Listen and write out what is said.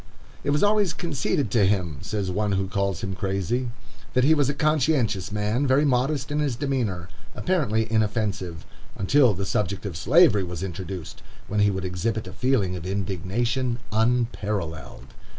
"It was always conceded to him," says one who calls him crazy, "that he was a conscientious man, very modest in his demeanor, apparently inoffensive, until the subject of Slavery was introduced, when he would exhibit a feeling of indignation unparalleled."